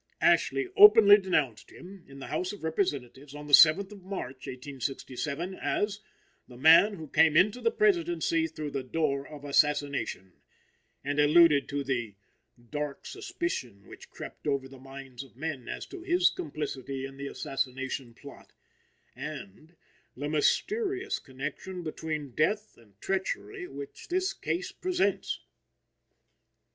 Ashley openly denounced him, in the House of Representatives on the 7th of March, 1867, as "the man who came into the Presidency through the door of assassination," and alluded to the "dark suspicion which crept over the minds of men as to his complicity in the assassination plot," and "the mysterious connection between death and treachery which this case presents."